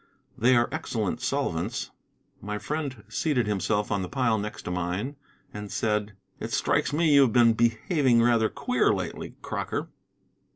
They are excellent solvents. My friend seated himself on the pile next to mine, and said, "It strikes me you have been behaving rather queer lately, Crocker."